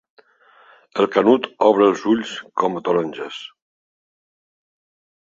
El canut obre els ulls com a taronges.